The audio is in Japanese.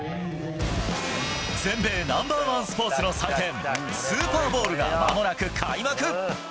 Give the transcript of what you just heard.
全米ナンバーワンスポーツの祭典、スーパーボウルがまもなく開幕。